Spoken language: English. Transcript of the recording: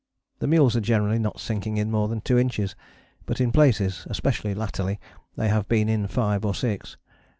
The mules are generally not sinking in more than two inches, but in places, especially latterly, they have been in five, or six.